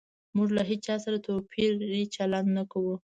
موږ له هيچا سره توپيري چلند نه کوو